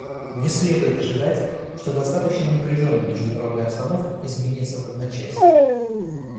Не следует ожидать, что достаточно напряженная международная обстановка изменится в одночасье.